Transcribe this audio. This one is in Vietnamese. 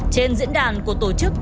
trên diễn đàn của tổ chức